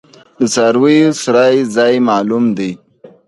د څارویو د څرائ ځای معلوم دی؟